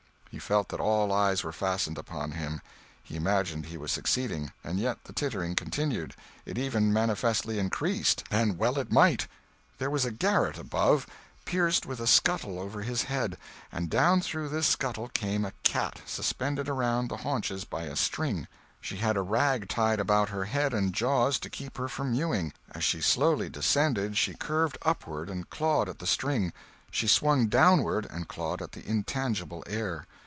He felt that all eyes were fastened upon him; he imagined he was succeeding, and yet the tittering continued; it even manifestly increased. And well it might. There was a garret above, pierced with a scuttle over his head; and down through this scuttle came a cat, suspended around the haunches by a string; she had a rag tied about her head and jaws to keep her from mewing; as she slowly descended she curved upward and clawed at the string, she swung downward and clawed at the intangible air.